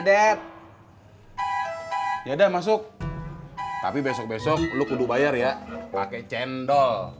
dep ya udah masuk tapi besok besok lu kudu bayar ya pakai cendol